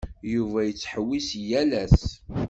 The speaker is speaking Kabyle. Yuba yettḥewwis yal ass.